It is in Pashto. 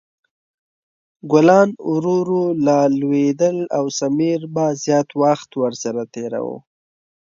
ګلان ورو ورو لا لویدل او سمیر به زیات وخت ورسره تېراوه.